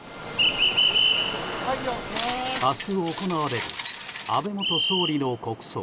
明日行われる安倍元総理の国葬。